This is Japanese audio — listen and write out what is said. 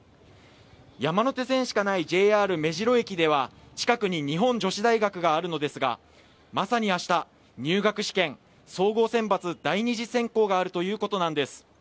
山手線しかないＪＲ目白駅では近くに日本女子大学があるのですが、まさに明日、入学試験総合選抜第２次選考があるということなんです。